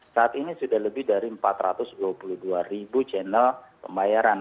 saat ini sudah lebih dari empat ratus dua puluh dua ribu channel pembayaran